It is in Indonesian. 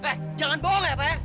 eh jangan boleh pak